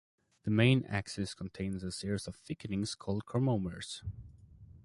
The main axis contains a series of thickenings called chromomeres.